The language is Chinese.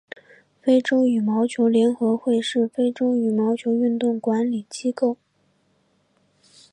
非洲羽毛球联合会是非洲羽毛球运动管理机构。